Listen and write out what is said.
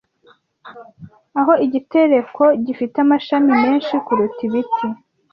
aho igitereko gifite amashami menshi kuruta ibiti